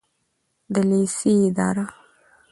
د لیسې اداره